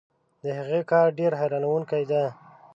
د هغې کار ډېر حیرانوونکی دی.